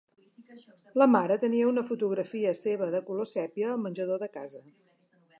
La mare tenia una fotografia seva de color sèpia al menjador de casa.